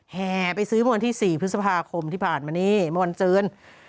แห่ไปซื้อเมื่อวันที่๔พฤษภาคมที่ผ่านมานี้เมื่อวันจืน